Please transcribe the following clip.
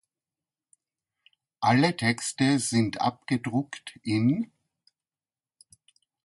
Alle Texte sind abgedruckt in